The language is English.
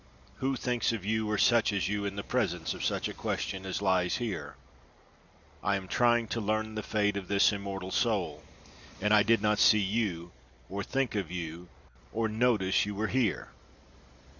who thinks of you or such as you in presence of such a question as lies here. I am trying to learn the fate of this immortal soul, and I did not see you or think of you or notice you were here."